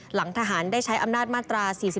หลังทหารได้ใช้อำนาจมาตรา๔๔